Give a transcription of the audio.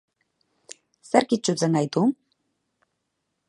Zerk itsutzen gaitu?